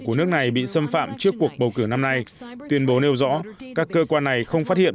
của nước này bị xâm phạm trước cuộc bầu cử năm nay tuyên bố nêu rõ các cơ quan này không phát hiện